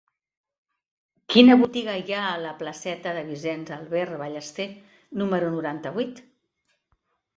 Quina botiga hi ha a la placeta de Vicenç Albert Ballester número noranta-vuit?